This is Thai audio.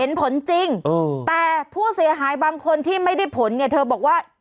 ผลจริงแต่ผู้เสียหายบางคนที่ไม่ได้ผลเนี่ยเธอบอกว่า